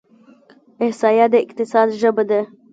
احصایه د اقتصاد ژبه ده.